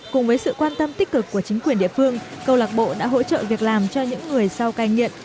cùng với sự quan tâm tích cực của chính quyền địa phương câu lạc bộ đã hỗ trợ việc làm cho những người sau cai nghiện